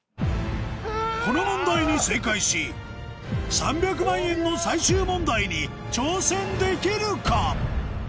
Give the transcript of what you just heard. この問題に正解し３００万円の最終問題に挑戦できるか？